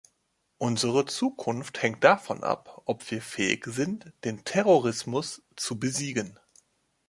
Unsere Zukunft hängt davon ab, ob wir fähig sind, den Terrorismus zu besiegen.